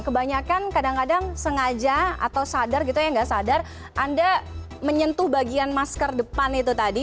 kebanyakan kadang kadang sengaja atau sadar gitu ya nggak sadar anda menyentuh bagian masker depan itu tadi